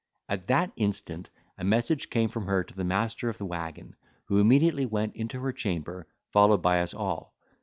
At that instant, a message came from her to the master of the waggon, who immediately went into her chamber, followed by us all.